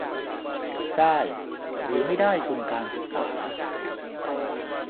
ได้หรือไม่ได้ทุนการศึกษา